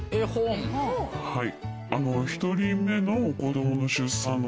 はい。